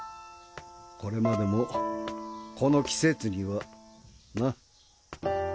これまでもこの季節にはな。